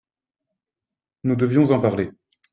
Nous devions en parler.